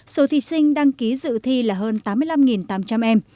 số thí sinh đăng ký dự thi là hơn tám mươi năm tám trăm linh em